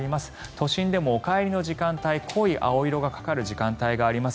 都心でもお帰りの時間帯濃い青色がかかる時間帯があります。